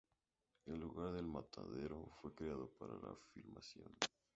El lugar del matadero fue creado para la filmación.